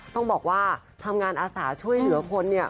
ต้องบอกว่าทำงานอาสาช่วยเหลือคนเนี่ย